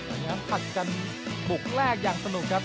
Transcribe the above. อันนี้ขัดกันบุกแรกยังสนุกครับ